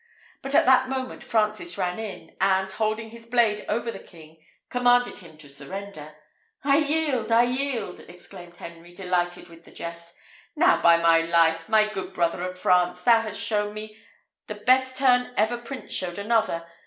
But at that moment Francis ran in, and, holding his blade over the king, commanded him to surrender. "I yield! I yield!" exclaimed Henry, delighted with the jest. "Now, by my life, my good brother of France, thou has shown me the best turn ever prince showed another.